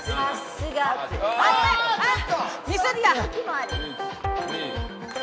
あっ！